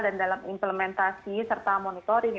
dan dalam implementasi serta monitoring